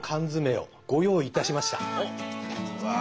うわ。